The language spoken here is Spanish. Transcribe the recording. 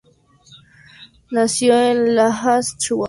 Nació en Lajas, Chihuahua.